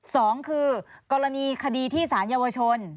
สองคือกรณีคดีที่สารเยาวชน